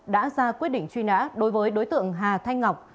đã ra quyết định truy nã đối với đối tượng hà thanh ngọc